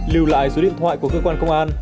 lưu lại số điện thoại của cơ quan công an